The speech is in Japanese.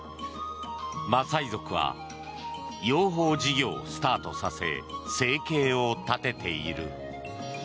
マサイ族は養蜂事業をスタートさせ生計を立てている。